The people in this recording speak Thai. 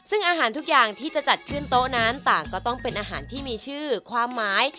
ซึ่งอาหารทุกอย่างที่จะจัดขึ้นโต๊ะนั้นต่างก็ต้องเป็นอาหารที่มีชื่อความหมาย